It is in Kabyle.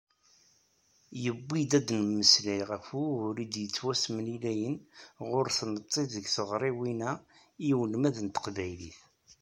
Yewwi-d ad d-nemmeslay ɣef wugur i d-yettwattemlilayen ɣur tmetti deg teɣriwin-a i ulmad n teqbaylit.